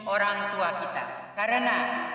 orang tua kita karena